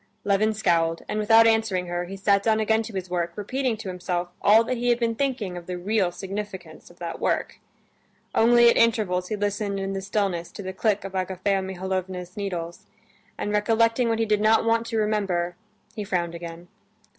Levin scowled, and without answering her, he sat down again to his work, repeating to himself all that he had been thinking of the real significance of that work. Only at intervals he listened in the stillness to the click of Agafea Mihalovna's needles, and recollecting what he did not want to remember, he frowned again.